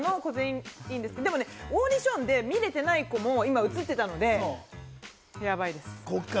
でもね、オーディションで見ていない子も今映ってたのでヤバいです。